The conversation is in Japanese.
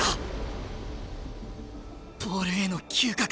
ボールへの嗅覚。